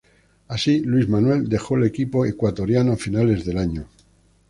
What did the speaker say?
Así, Luis Manuel dejó el equipo ecuatoriano, a finales del año.